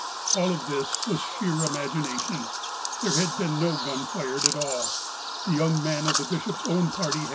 All of this was sheer imagination. There had been no I gun fired at all. A young man of the bishop's own party